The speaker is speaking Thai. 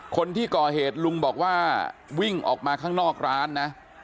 คนที่ก่อเหตุลุงบอกว่าวิ่งออกมาข้างนอกร้านนะ